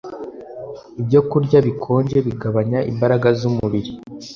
ibyokurya bikonje bigabanya imbaraga z'umubiri